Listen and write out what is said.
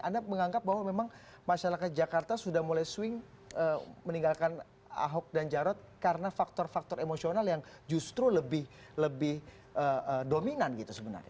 anda menganggap bahwa memang masyarakat jakarta sudah mulai swing meninggalkan ahok dan jarot karena faktor faktor emosional yang justru lebih dominan gitu sebenarnya